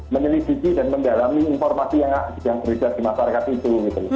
menilai sisi dan mendalami informasi yang terlibat di masyarakat itu